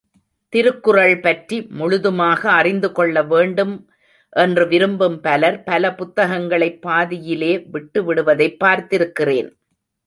திருக்குறள் பற்றி முழுதுமாக அறிந்துகொள்ள வேண்டும் என்று விரும்பும் பலர், பல புத்தகங்களைப் பாதியிலே விட்டுவிடுவதைப் பார்த்திருக்கிறேன்.